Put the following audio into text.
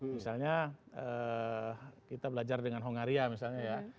misalnya kita belajar dengan hongaria misalnya ya